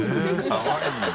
かわいいな。